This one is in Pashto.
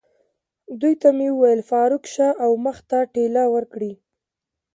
دوی ته مې وویل: فاروق، شا او مخ ته ټېله ورکړئ.